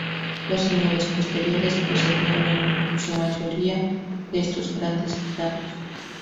Los señores posteriores procedían en su mayoría de estos grandes estados.